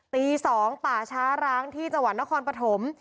ตี๒ป่าช้าร้างที่จังหวัดนครปฐม